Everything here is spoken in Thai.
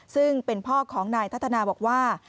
ซึ่งเป็นพ่อของนายพัฒนาบอกว่า